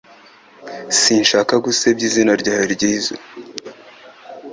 Sinshaka gusebya izina ryawe ryiza